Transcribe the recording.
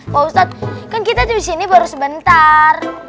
pak ustadz kan kita disini baru sebentar